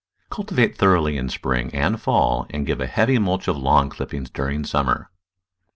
Cultivate thoroughly in spring and fall and give a heavy mulch of lawn clippings during summer.